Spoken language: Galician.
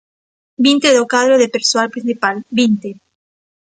Vinte do cadro de persoal principal, vinte.